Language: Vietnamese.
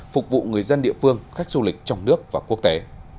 phục vụ người dân địa phương khách du lịch trong nước và quốc tế